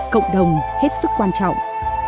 cộng đồng hết sức quan trọng